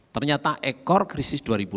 ternyata ekor krisis dua ribu delapan